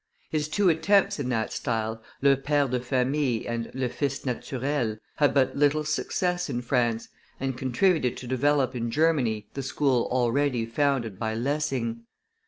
His two attempts in that style, Le Pere de Famille and Le Fils natural, had but little success in France, and contributed to develop in Germany the school already founded by Lessing.